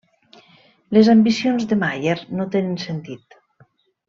Les ambicions de Mayer no tenen sentit.